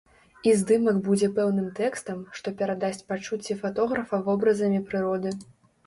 І здымак будзе пэўным тэкстам, што перадасць пачуцці фатографа вобразамі прыроды.